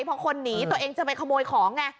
พอคนหนีตัวเองจะไปขโมยของไง